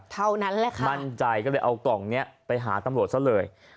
เท่านั้นแหละค่ะมั่นใจก็เลยเอากล่องนี้ไปหาตำรวจซะเลย